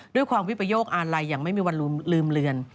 ด้วยความวิปโยคอาลัยอย่างไม่มีวันลืมเลือน